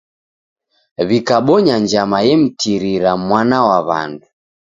Wikabonya njama emtirira mwana wa w'andu.